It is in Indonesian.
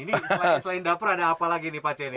ini selain dapur ada apa lagi nih pak ceni